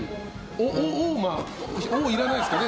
「お」いらないですけどね。